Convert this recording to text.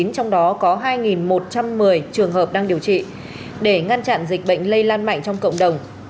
trong đó có hai một trăm một mươi trường hợp đang điều trị để ngăn chặn dịch bệnh lây lan mạnh trong cộng đồng